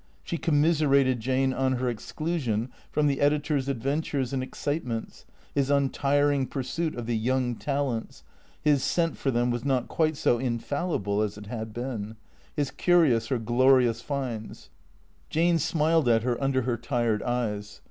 She commiserated Jane on her exclusion from the editor's adventures and excitements, his untii'ing pur suit of the young talents (his scent for them was not quite so infallible as it had been), his curious or glorious finds. Jane smiled at her under her tired eyes.